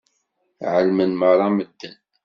Ɛelmen meṛṛa medden.